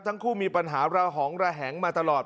ทั้งคู่มีปัญหาระหองระแหงมาตลอด